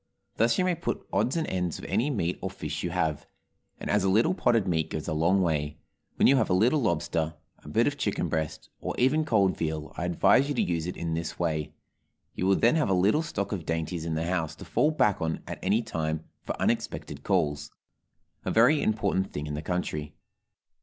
Thus you may pot odds and ends of any meat or fish you have, and as a little potted meat goes a long way, when you have a little lobster, a bit of chicken breast, or even cold veal, I advise you to use it in this way; you will then have a little stock of dainties in the house to fall back on at any time for unexpected calls a very important thing in the country.